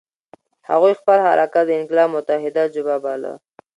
هغوی خپل حرکت د انقلاب متحده جبهه باله.